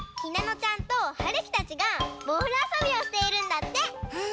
ひなのちゃんとはるきたちがボールあそびをしているんだって。